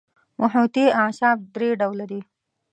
محیطي اعصاب درې ډوله دي.